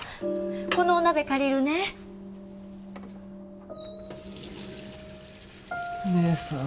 このお鍋借りるね姉さん